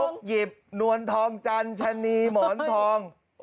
หยิบนวลทองจันชะนีหมอนทอง